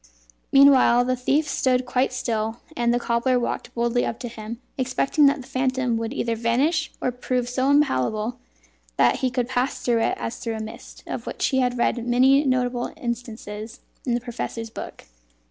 Meanwhile, the thief stood quite still, and the cobbler walked boldly up to him, expecting that the phantom would either vanish or prove so impalpable that he could pass through it as through a mist, of which he had read many notable instances in the professor's book.